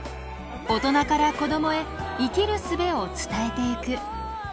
大人から子どもへ生きるすべを伝えてゆく。